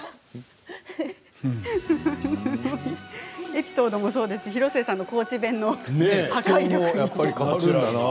エピソードもそうですが広末さんの高知弁の破壊力。